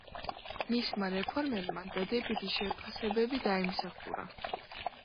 მისმა რეფორმებმა დადებითი შეფასებები დაიმსახურა.